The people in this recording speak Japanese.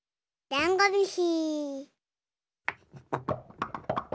ダンゴムシ。